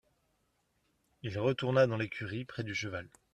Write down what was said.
Il retourna dans l'écurie près du cheval.